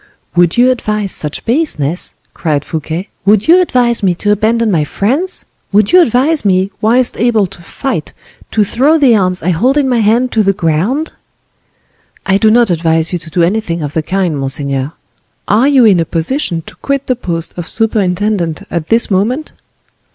"Would you advise such baseness?" cried Fouquet, "would you advise me to abandon my friends? would you advise me, whilst able to fight, to throw the arms I hold in my hand to the ground?" "I do not advise you to do anything of the kind, monseigneur. Are you in a position to quit the post of superintendent at this moment?"